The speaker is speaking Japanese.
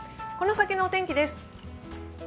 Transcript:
この先のお天気です。